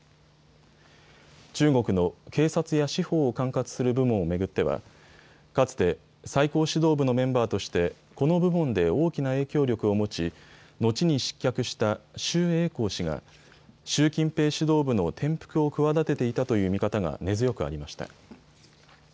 中国の警察や司法を管轄する部門を巡ってはかつて、最高指導部のメンバーとしてこの部門で大きな影響力を持ち後に失脚した周永康氏が習近平指導部の転覆を企てていたという見方が根強くありました。